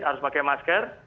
harus pakai masker